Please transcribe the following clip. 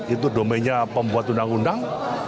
itu domainnya pembuat undang undang